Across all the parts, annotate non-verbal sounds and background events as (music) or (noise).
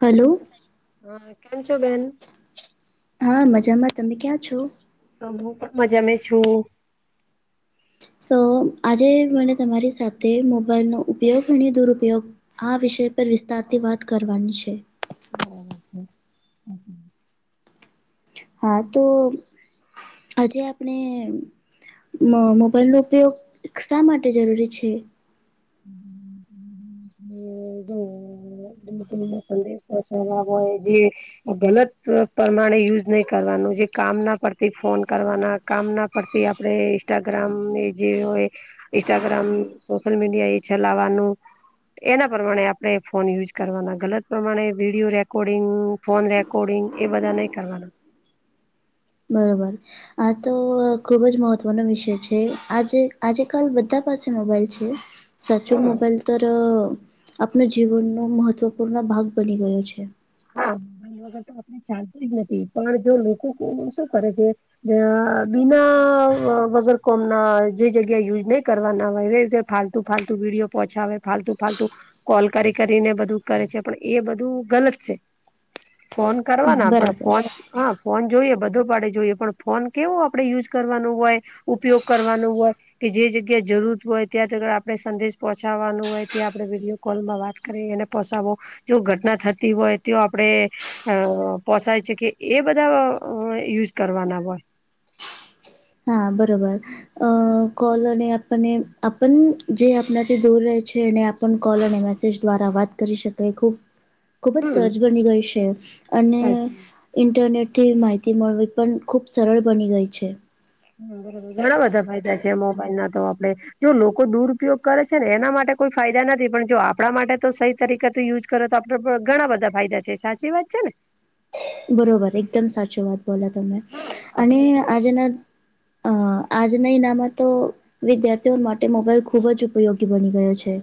Hello. હા કેમ છો બેન. હા મજામાં, તમે ક્યાં છો? હ હું પણ મજા મે છું. સો આજે મને તમારી સાથે મોબાઈલનો ઉપયોગ અને દુરુપયોગ આ વિષય પર વિસ્તારથી વાત કરવાની છે. આવજો હમ્મ હમ્મ હા તો આજે આપણે મ મોબાઈલનો ઉપયોગ શા માટે જરૂરી છે. કોઈ ને સંદેશ પોચાડવા હોય જે ગલત પ્રમાણે યુઝ નહી કરવાનું જે કામ ના પરથી ફોન કરવાના કામના પરતિ આપડે ઇન્સ્ટાગ્રામને જે હોય ઇન્સ્ટાગ્રામી સોશિયલ મીડિયા એ ચલાવાનું એના પ્રમાણે આપણે ફોન યુઝ કરવાના. ગલત પ્રમાણે વિડીયો રેકોર્ડિંગ ફોન રેકોર્ડિંગ એ બધા નહી કરવાના. બરોબર. આ તો ખૂબ જ મહત્ત્વનો વિષય છે, આજે આજે કલ બધા પાસે મોબાઈલ છે. સાચો મોબાઈલ તરઅ આપનો જીવનનો મહત્ત્વપૂર્ણ ભાગ બની ગયો છે. હા મોબાઈલ વગર તો આપણે ચાલતીજ નથી પણ જો લોકો શું કરે છે અ બીના વગર કોમના જે જગ્યા યુઝ નહી કરવાના હોય એ જગ ફાલતુ ફાલતુ વિડીયો પોહછાવે ફાલતુ ફાલતુ કોલ કરી કરીને બધું કરે છે પણ એ બધું ગલત છે. ફોન કરવાના પણ બરાબર ફોન હા ફોન જોઈએ બધો પાડે જોઈએ પણ ફોન કેવો આપડે યુઝ કરવાનું હોય. ઉપયોગ કરવાનો હોય. કે જે જગ્યા જરૂર હોય ત્યાં તરત આપણેે સંદેશ પહોંચાવાનું હોય ત્યાં આપડે વિડીયો કોલમાં વાત કરી અને પસ આવો જો ઘટના થતી હોય તેઓ આપડે અ પોસાય છે કે એ બધા અ યુઝ કરવાના હોય હા બરોબર. અ કોલ અને આપણને આપણ જે આપણાથી દૂર રહે છે અને આ પણ કોલ અને મેસેજ દ્વારા વાત કરી શકાય ખૂબ ખૂબ જ હમ સહજ બની ગયુ છે અને ઇન્ટરનેટથી માહિતી મળવી પણ ખૂબ સરળ બની ગઈ છે. બરોબર ઘણા બધા ફાયદા છે મોબાઈલ ના તો આપડે જો લોકો દુરપયોગ કરે છે ને એના માટે કોઈ ફાયદા નથી પણ જો આપણા માટે તો સહી તરીકે તો યુઝ કરે તો આપડે ઘણા બધા ફાયદા છે સાચી વાત છેને. બરોબર એકદમ સાચી વાત બોલા તમે હા અને આપડે હા આજેના અ આજના ઇનામાં તો વિદ્યાર્થીઓ માટે મોબાઈલ ખૂબ જ ઉપયોગી બની ગયો છે.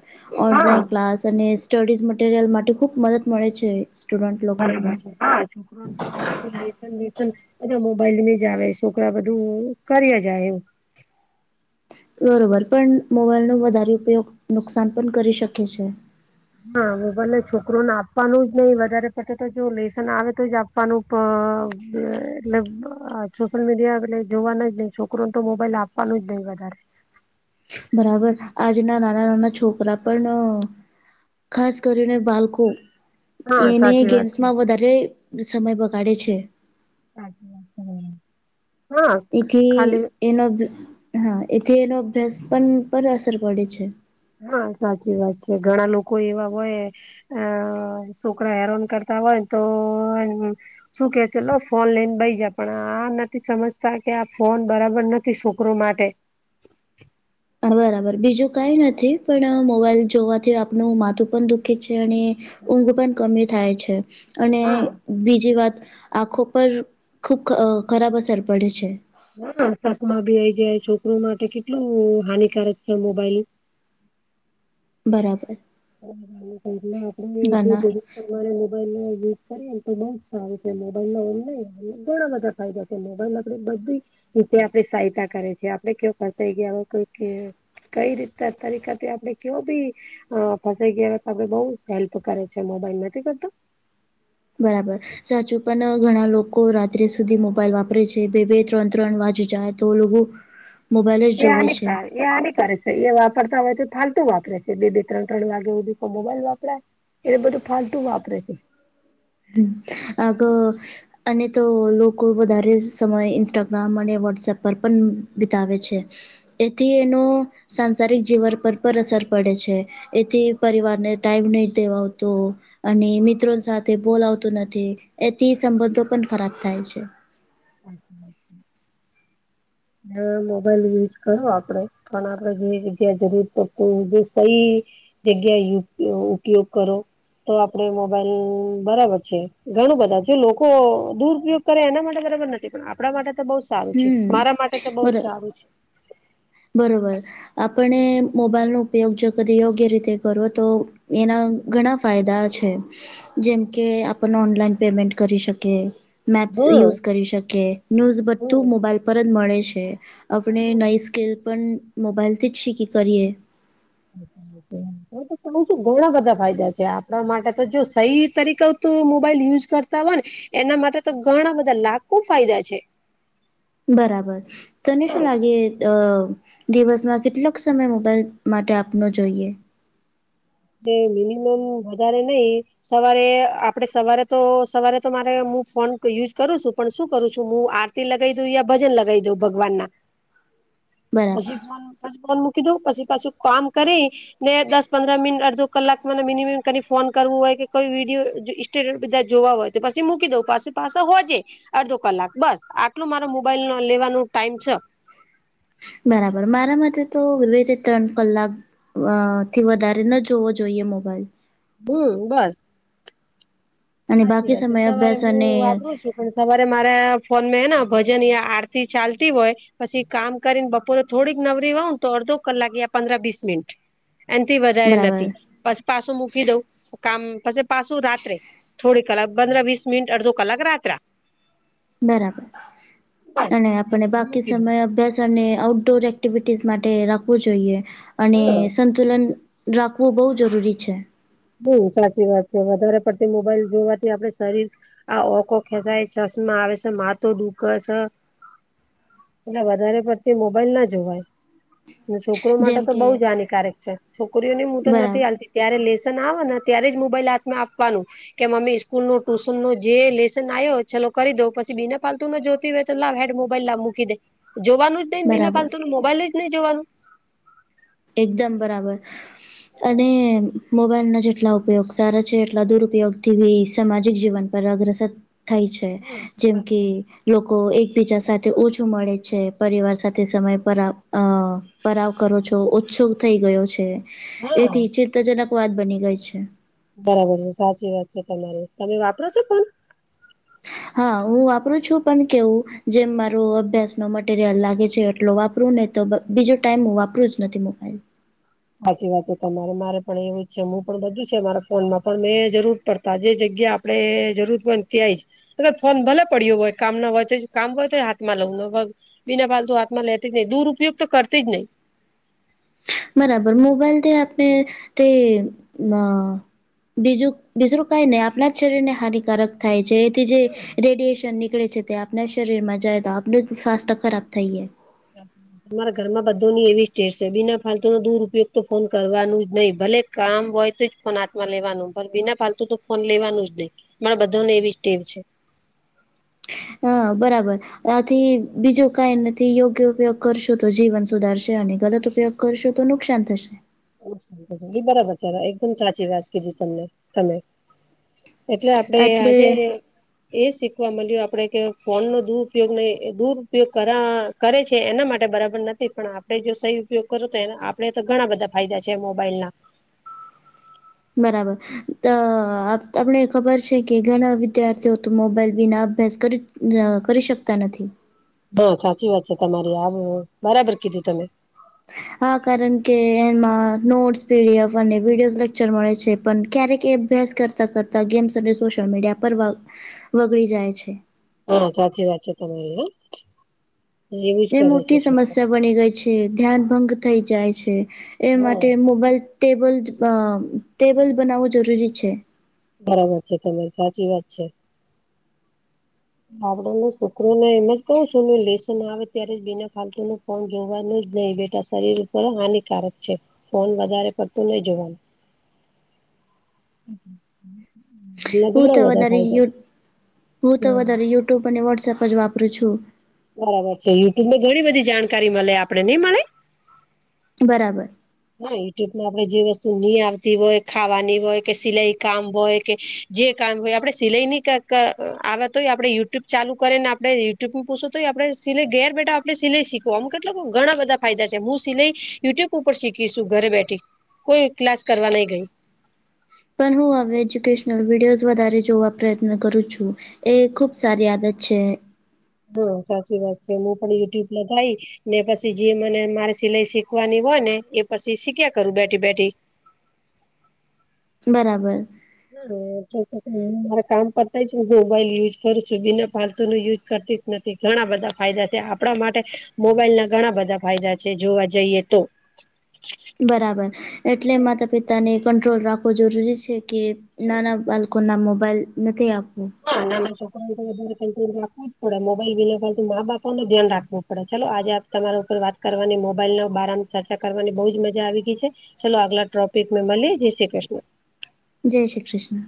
હા ઓનલાઈન ક્લાસ અને સ્ટડીઝ મટીરિયલ માટે ખુબ મદદ મળે છે. સ્ટુડન્ટ લોકોને છોકરો બધું લેસન બેસન અજા મોબાઈલ મેં જ આવે છે. છોકરા બધું કર્યા જાય એવુ બરોબર પણ મોબાઈલ ન વધારે ઉપયોગ નુકસાન પણ કરી શકે છે. હા મોબાઈલને છોકરો ને આપવાનું જ નહીિ વધારે પડ તો જો લેસન આવે તો જ આપ આપનું એટ સોશિયલ મીડિયા એટલે જોવાના જ નહી છોકરોને તો મોબાઈલ આપ પણનુ ઉદ્યૈગ વધારે બરાબર આજના નાના નાના છોકરા પણ ખાસ કરીને બાળકો હા એને સાચી વાત છે ગેમ્સમાં વધારે સમય બગાડે છે. અચામ એથી એનો હા, એથી એનો અભ્યાસ પણ પર અસર પડે છે. હા સાચી વાત છે ઘણા લોકો એવા હોય. અ શુક્ર હેરોન કરતા હોય તો શું કે ચલો ફોન લઈને બઈ જ પણ આ નથી સમજતા કે આ ફોન બરાબર નથી છોકરો માટે બરાબર બીજું કઈ નથી પણ મોબાઈલ જોવાથી આપનુંું માથું પણ દ છે અને ઊંઘ પણ કમી થાય છે અને હા બીજી વાત આંખો પર ખૂબ ખરાબ અસર પડે છે. હ શાકમાં ભી આઈ જાય છોકરો માટે કેટલું હાનિકારક છે મોબાઈલ. બરાબર કરી ઘણા આપડે રે મોબાઈલ નો યુઝ કરી તો બઉ જ સારું છે, મોબાઈલ ઓનલાઈ ઘણા બધા ફાયદ મોબાઈલ લકડી બધી રીતે આપડી સહાયતા કરે છે આપડે કેવ ફતાઈ ગયાઈ. કઈ રીતના તરીકા આપણે કયો બી હ ફસાઈ ગયા તો બઉ હેલ્પ કરે છે મોબાઈલ બધ. બરાબર સાચું પણ ઘણા લોકો રાત્રે સુધી મોબાઈલ વાપરે છે, બે બે ત્રણ ત્રણ વાજ જાય તો લોકો હ એ અ અનેક સારી એ આની કરે છે એ વાપરતા હોય તો ફાલતું વાપરે છે, બે બે ત્રણ્ર વાગ્યા સુધી કોઈ મોબાઈલ વાપરાય એને બધું ફાલતુ વાપરે છે. હ આગ અને તો લોકો વધારે સમય ઇન્સ્ટાગ્રામ અને વોટ્સએપ પર પણ વિતાવે છે. એથી એનો સાંસારિક જીવન પર પણ અસર પડે છે. એથી પરિવારને ટાઈમ નહી દેવાવતો અને મિત્રો સાથે તે બોલાવતું નથી એથી સંબંધો પણ ખરાબ થાય છે. અચ્છાચ્છા હ મોબાઈલ યુઝ કરો આપડે પણ આપ જે જગ્યા જરૂર તો સઈ જગ્યા ઉપયોગ કરો. તો આપડે મોબાઈલ બરાબર છે, ઘણું બધા જો લોકો દુરપયોગ કરે એના માટે બરાબર નથી પણ આપણા માટે તો બહ સારુ છે, મારા માટે તો બહુ જ બર સારું છે બરોબર આપણે મોબાઈલનોો ઉપયોગ જો કદી યોગ્ય રીતે કરો તો એના ઘણા ફાયદા છે. જેમકે આપણ ઓનલાઈન પેમેન્ટ કરી શકી. મેપ્સ યુઝ હમ કરી શકે ન્યૂઝ બ મોબાઈલ પર જ મળે છે આપણે હમ નઈ સ્કિલ પણ મોબાઈલથી જ શીખી કરીએ. (inaudible) હું તો (unintelligible) છું ઘણા બધા ફાયદા છે આપણા માટે તો જો સહી તરીકે મોબાઈલ યુઝ કરતા હોય ને એના માટે તો ઘણા બધા લાખો ફાયદા છે. બરાબર તને શું લાગે અ દિવસમાં કેટલોક સમય મોબાઈલ માટે આપનો જોઈએ. (unintelligible) મિનિમમ વધારે નહી સવારે આપડે સવારે તો સવારે તો મારે હું ફોન યુઝ કરું છું પણ શું કરું છું હું આ લગાવી દઉ યા ભજન લગાવી દઉ ભગવાના. (unintelligible) બરાબર પછી ફ ફોન મૂકી દઉ પછી પાછું કામ કરી ને દસ પંદ્ર મિનટ અડધો કલાક મને મિનિમમ ફોન કરવું હોય કે કોઈ વિડીયો ઈસ્ટાગ્રામ બધા જોવા હોય તો પછી મૂકી દઉં પાસી પાસે હોજે અડધો કલાક બસ આટલો મારા મોબાઈલ લેવાનો ટાઈમ છે. બરાબર મારા માટે તો બબ્બે થી ત્રણ કલાક અ થી વધારે ન જોવો જોઈએ મોબાઈલ. હમ બસ. અને સાચી બાકી વાત છે સમય સવારે અભ્યાસ હું અને વાપરું છું પણ સવારે મારા ફોન હેને ભજન યા આરતી ચાલતી હોય. પછી કામ કરીને બપોરે થોડીક નવરી હોવ ને તો અડધો કલાક યા પંદ્ર વીસ મિનિટ. એથી વધારે નથી બરાબર પછી પાસું મૂકી દઉં કામ પછી પાસું રાત્રે થોડી કલાક પંદરા વીસ મિનિટ અડધો કલાક રાત્રા. બરાબર અને આપને ફોન બાકી મૂકી દઉં સમય અભ્યાસ અને આઉટડોર એક્ટિવિટીઝ માટે રાખવું જોઈએ અને હા સંતુ લન રાખવું બહુ જરૂરી છે. હમ સાચી વાત છે વધારે પડતી મોબાઈલ જોવાથી આપડે શરીર આ ઓકો ખેચાય ચશ્મા આવે છે માથું દુખે છે. એટલે વધારે પડતી મોબાઈલ ના જોવાય. છોકરો માટે જેમ તો કે બહુ જ હાનિકારક છે છોકરીઓની હું તો બરા નથી હાલતી ત્યારે લેસ ના આવે ને ત્યારે જ મોબાઈલ હાથમાં આપવાનું. કે મમ્મી સ્કૂલનું ટુશનું જે લેસન આવ્યો ચલો કરી દો પછી બીના પાલતુનું જોતી હોય લા હેડ મોબાઈલ લા મૂકી દે જોવાનું જ નહીં બિના બરાબર ફાલતુું મોબાઈલ જ નહી જોવાનું. એકદમ બરાબર અને મોબાઈલના જેટલા ઉપયોગ સારા છે એટલા દુરુપયોગથી બી સામાજિક જીવન પર અગ્રસર થાઈ છે હા જેમ કે સાચી લોકો એકબીજા સાથે ઓછું મળે છે પરિવાર સાથે સમય પરા અ પરાવ કરો છો ઓછું થઈ ગયો છે વાત હા એથી ચિંતાજનક વાત બની ગઈ છે. બરાબર છે સાચી વાત છે તમારી તમે વાપરો છો ફોન? હા હું વાપરું છું પણ કેવું જેમ મારો અભ્યાસ ન મટીરિયલ લાગે છે એટલો વાપરું ને તો બીજો ટાઈમ હું વાપરું જ નથી મોબાઈલ. સાચી વાત તમારે મારે પણ એવું જ છે હું પણ બધું છે મારા ફોનમાં પણ મેં જરૂર પડતા જે જગ્યા આપડે જરૂર હોય ત્યાં જ મતલબ ફોન ભલે પડ્યો હોય કામ ના હોય તો કામ હોય તો હાથમાં લવું બીના ફાલતુ હાથમાં લેતી જ નહીં દુર ઉપયોગ તો કરતી જ નહીં. બરાબર મોબાઈલ તે આપણે તે અ બીજું બીજું કઈ નઈ આપણા જ શરીર ને હાનિકારક થાય છે એથી જે રેડિએશન નીકળે છે ત્યા. આપના શરીરમાં જાય તો આપનું સ્વાસ્થ્ય ખરાબ થઈ ગયા. (unintelligible) તમારા ઘરમાં બધોની એવી ટેવ શે બીના ફાલતુ દૂર ઉપયોગ તો ફોન કરવાનું જ નહી ભલે કામ હોય તો જ ફોન હાથમાં લેવાનું પણ બીના પાલતું તો ફોન લેવાનું જ નહી. મારા બધા ને એવી જ ટેવ છે. હ બરાબર. આથી બીજું કઈ નથી યોગ્ય ઉપયોગ કરશો તો જીવન સુધારશે અને ગલત ઉપયોગ કરશો તો નુકસાન થશે. એ બરાબર છે એકદમ સાચી વાત કીધી તમને તમે એટલે આપડે એટલે આજે એ શીખવા મળ્યું આપડે કે ફોન નો દુરુપયોગ નહી દુરુપયોગ કરા કરે છે એના માટે બરાબર નથી પણ આપડે જો સહી ઉપયોગ કરો તો આપણેે તો ઘણા બધા ફાયદા છે મોબાઈલ ના. બરાબર આપને ખબર છે કે ઘણા વિદ્યાર્થીઓ તો મોબાઈલ વિના અભ્યાસ કરી ના કરી શકતા નથી. હા સાચી વાત છે તમારી આવું બરાબર કીધું તમે. હા કારણ કે એમાં નોટ્સ પીડીએફ અને વિડીયો લેક્ચર મળે છે પણ ક્યારેક એ અભ્યાસ કર કરતાં કરતાં ગેમ્સ અને સોશિયલ મીડિયા પર બગડી જાય છે. હા સાચી વાત છે તમારી એવું જ એ કરે છે મોટી છોકરા સમસ્યા બની ગઈ છે ધ્યાન ભંગ થઈ જાય છે એ હા માટે મોબાઈલ ટેબલ ટેબલ બનાવવું જરૂરી છે. બરાબર છે તમે સાચી વાત છે. આવાવડા ન છોકું ને એમજ કઉ છું ને લેસન આવે ત્યારે જ બીના ફાલતુ નુ. ફોન જોવાનું જ નહીિ બેટા શરીર ઉપર હાનિકારક છે ફોન વધારે પડતું નહી જોવાનું. (inaudible) એટલે હું ઘણા તો બધા વધારે ફાયદા યુ હું છે તો હમ વધારે યુટ્યુબ અને વોટ્સપ જ વાપરું છું. બરાબર છે યુટ્યુબને ઘણી બધી જાણકારી મળે આપડે નઈ મળે બરાબર. હા યુટ્યુબમાં આપે જે વસ્તુ નહી આવતી હોય ખાવાની હોય કે સિલાઈ કામ હોય કે જે કામ હોય આપડે સિલાઈ ની આવે તો હોય આપણે યુટ્યુબ ચાલુ કરી ને આપડે યુટ્યુબ પૂછું તો આપણે સિલાઈ ઘેર બેઠા આપણે સિલાઈ શીખવો આમ કેટલા ઘણા બધા ફાયદા છે હું સિલાઈ યુટ્યુબ ઉપર શીખીશું ઘરે બેઠી કોઈ ક્લાસ કરવા નહી ગઈ. પણ હું હવે એજ્યુકેશનલ વિડીયોઝ વધારે જોવા પ્રયત્ન કરું છું. એ ખુબ સારી આદત છે. હા સાચી વાત છે હું પણ યુટ્યુબ લ થાઈ ને પછી જે મને મારે સિલાઈ શીખવાની હોય ને એ પછી શીખ્યા કરું બેઠી બેઠી. બરાબર. હ હું મારા કામ કરતા હું મોબાઈલ યુઝ કરું છું બીના પાલતુ ન યુઝ કરતી નથી ઘણા બધા ફાયદા છે આપણા માટે મોબાઈલ ના ઘણા બધા ફાયદા છે જોવા જઈએ તો. (inaudible) બરાબર એટલે માતા પિતાને કંટ્રોલ રાખવો જરૂરી છે કે નાના બાળકો કોના મોબાઈલ નથી આપવું. (unintelligible) ચાલલો આજે આપ તમારા ઉપર વાત કરવાની મોબાઈલ ના બારરામાં ચર્ચા કરવાની બહુજ મજા આવી ગઈ છે. ચાલલો અગલા ટ્રોપિક મેં મળલી જય શ્રી કૃષ્ણ. જય શ્રી કૃષ્ણ.